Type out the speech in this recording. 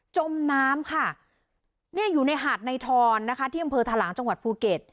จมน้ำค่ะเนี่ยอยู่ในหาดในทอนนะคะที่อำเภอทะลางจังหวัดภูเก็ต